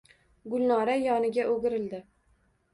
Gulnora yoniga oʼgirildi.